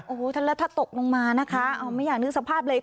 โอ้โฮถ้าละถ้าตกลงมานะคะไม่อยากนึกสภาพเลย